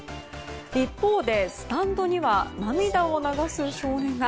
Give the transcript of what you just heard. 一方でスタンドには涙を流す少年が。